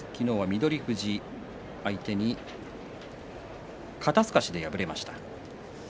翠富士相手に肩すかしで敗れました。